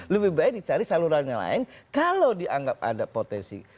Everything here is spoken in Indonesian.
lebih baik dicari salurannya lain kalau dianggap ada potensi